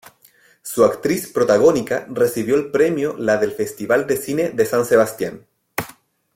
Su actriz protagónica recibió el premio la del Festival de Cine de San Sebastián.